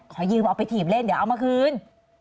ขอยืมเอาไปถีบเล่นเดี๋ยวเอามาคืน